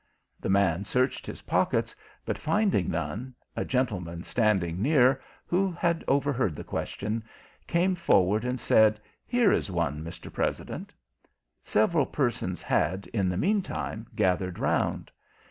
The man searched his pockets, but finding none, a gentleman standing near, who had overheard the question, came forward, and said, "Here is one, Mr. President." Several persons had, in the meantime, gathered around.